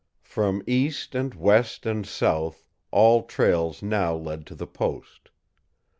From east and west and south all trails now led to the post.